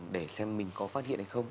để xem mình có phát hiện hay không